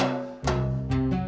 jangan terlalu banyak